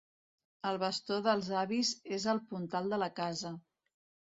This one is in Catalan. El bastó dels avis és el puntal de la casa.